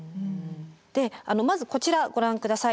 でまずこちらご覧ください。